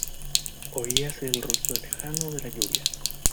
Oíase el ruido lejano de la lluvia.